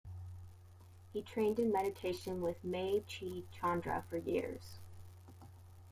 He trained in meditation with Mae chi Chandra for years.